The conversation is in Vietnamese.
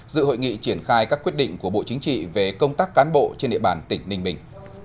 dự hội nghị triển khai các quyết định của bộ chính trị về công tác cán bộ trên địa bàn tỉnh ninh bình